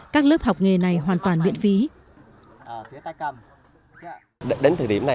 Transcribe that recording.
các lớp học nghề này hoàn toàn biện phí